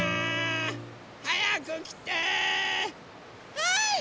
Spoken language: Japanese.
はい！